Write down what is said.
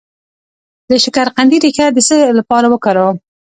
د شکرقندي ریښه د څه لپاره وکاروم؟